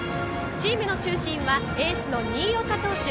チームの中心はエースの新岡投手。